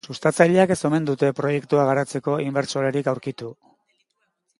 Sustatzaileak ez omen dute proiektua garatzeko inbertsorerik aurkitu.